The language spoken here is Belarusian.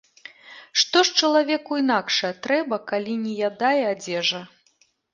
Што ж чалавеку інакшае трэба, калі не яда й адзежа?